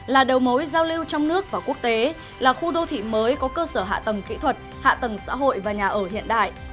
là đầu mối giao lưu trong nước và quốc tế là khu đô thị mới có cơ sở hạ tầng kỹ thuật hạ tầng xã hội và nhà ở hiện đại